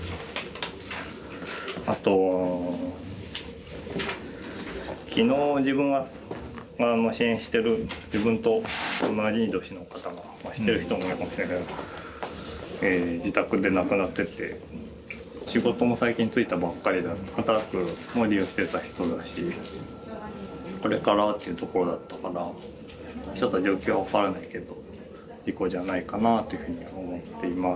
あと昨日自分が支援してる自分と同い年の方が知ってる人もいるかもしれない自宅で亡くなってて仕事も最近就いたばっかりだった。はたらっくも利用してた人だしこれからというところだったからちょっと状況は分からないけど事故じゃないかなというふうには思っています。